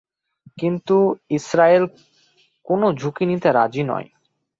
কিন্তু ইসরায়েল কোনো ঝুঁকি নিতে রাজি নয়।